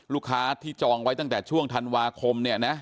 ลูกค้าที่จองไว้ตั้งแต่ช่วงธันวาคมเนี่ยนะ